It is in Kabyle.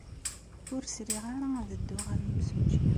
Ur sriɣ ara ad dduɣ ɣer yimsujji.